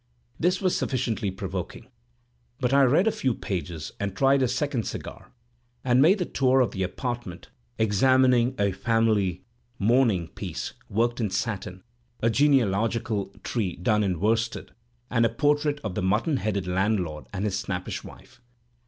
This was sufficiently provoking; but I read a few pages, and tried a second cigar, and made the tour of the apartment, examining a family mourning piece worked in satin, a genealogical tree done in worsted, and a portrait of the mutton headed landlord and his snappish wife.